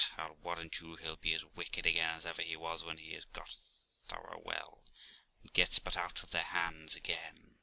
I'll warrant you he'll be as wicked again as ever he was when he is got thorough well, and gets but out of their hands again.